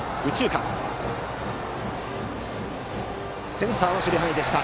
センターの守備範囲でした。